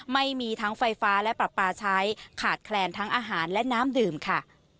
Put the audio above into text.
ไม่มีทั้งไฟฟ้าและปรับปลาใช้ขาดแคลนทั้งอาหารและน้ำดื่มค่ะ